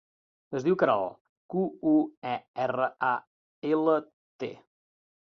Es diu Queralt: cu, u, e, erra, a, ela, te.